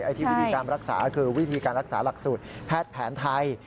ที่วิธีการรักษาคือวิธีการรักษาหลักสูตรแพทย์แผนไทย